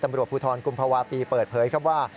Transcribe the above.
ตำรวจภูทรกุมภาวะปีเปิดเผยครับว่า